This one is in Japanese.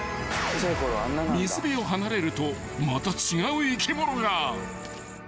［水辺を離れるとまた違う生き物が］